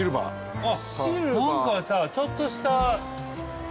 何かさちょっとした。